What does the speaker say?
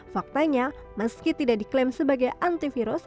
faktanya meski tidak diklaim sebagai antivirus